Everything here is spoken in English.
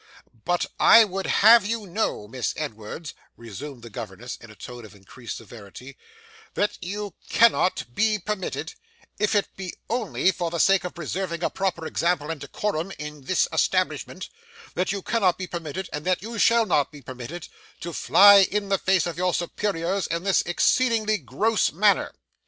'But I would have you know, Miss Edwards,' resumed the governess in a tone of increased severity, 'that you cannot be permitted if it be only for the sake of preserving a proper example and decorum in this establishment that you cannot be permitted, and that you shall not be permitted, to fly in the face of your superiors in this exceedingly gross manner.